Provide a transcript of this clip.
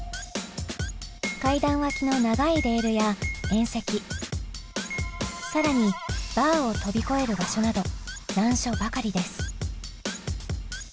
階段脇の長いレールや縁石更にバーを飛び越える場所など難所ばかりです。